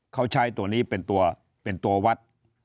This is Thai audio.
เขาใช้ตัวนี้เป็นตัววัด